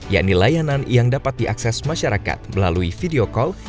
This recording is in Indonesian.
yakni layanan yang dapat diakses masyarakat melalui video call